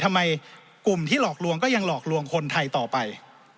ทำไมกลุ่มที่หลอกลวงก็ยังหลอกลวงคนไทยต่อไป